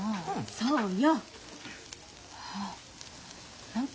そうよ。